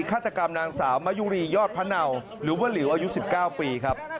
ฆาตกรรมนางสาวมะยุรียอดพะเนาหรือว่าหลิวอายุ๑๙ปีครับ